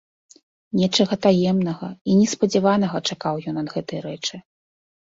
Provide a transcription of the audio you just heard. Нечага таемнага і неспадзяванага чакаў ён ад гэтай рэчы.